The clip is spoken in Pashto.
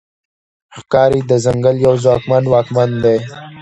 ښکاري د ځنګل یو ځواکمن واکمن دی.